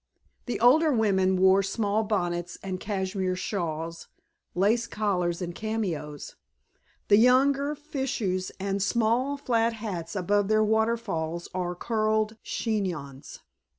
The older women wore small bonnets and cashmere shawls, lace collars and cameos, the younger fichus and small flat hats above their "waterfalls" or curled chignons.